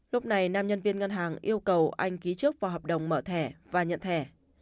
lúc này nam nhân viên ngân hàng yêu cầu anh ký trước vào hợp đồng mở thẻ và nhận thẻ